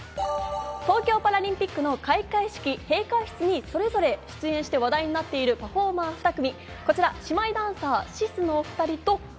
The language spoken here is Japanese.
東京パラリンピックの開会式・閉会式にそれぞれ出演して話題になっているパフォーマー２組。